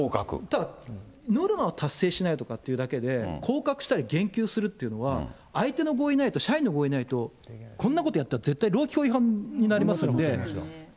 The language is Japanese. ただ、ノルマを達成しないというだけで、降格したり減給するっていうのは、相手の合意ないと、社員の合意ないと、こんなことやったら絶対労基法違反になりますので。